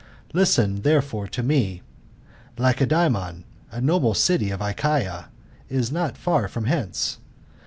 Listen, therefbre, to me. Laiceda^on, a noble city of Aclioia, is not far from hence.